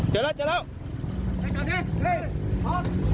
เจอแล้วเจอแล้ว